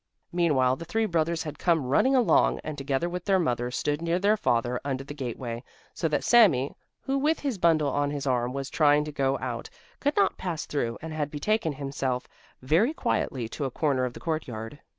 Meanwhile the three brothers had come running along and, together with their mother, stood near their father under the gateway, so that Sami, who with his bundle on his arm was trying to go out, could not pass through, and had betaken himself very quietly to a corner of the courtyard.